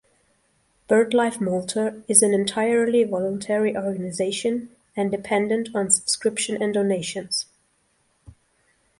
BirdLife Malta is an entirely voluntary organisation and dependent on subscription and donations.